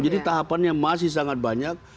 jadi tahapannya masih sangat banyak